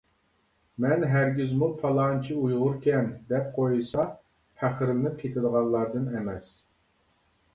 مەن ھەرگىزمۇ پالانچى ئۇيغۇركەن دەپ قويسا پەخىرلىنىپ كېتىدىغانلاردىن ئەمەس.